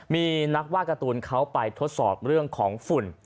มีนักว่าการ์ตูนเขาไปทดสอบเรื่องของฝุ่น